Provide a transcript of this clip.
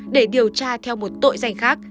để điều tra theo một tội danh khác